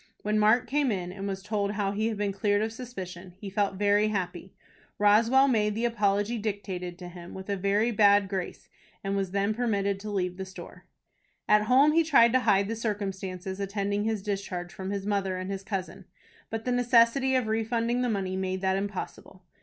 When Mark came in, and was told how he had been cleared of suspicion, he felt very happy. Roswell made the apology dictated to him, with a very bad grace, and then was permitted to leave the store. At home he tried to hide the circumstances attending his discharge from his mother and his cousin; but the necessity of refunding the money made that impossible.